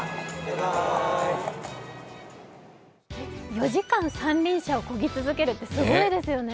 ４時間三輪車をこぎ続けるってすごいですよね。